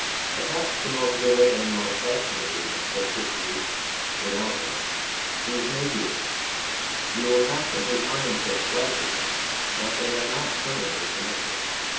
Perhaps the most vivid and most fascinating of such histories in our tongue 39 On Anything is Napier's. You will continually find such flashes in it but they are not permanently connected.